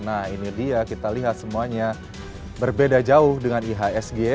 nah ini dia kita lihat semuanya berbeda jauh dengan ihsg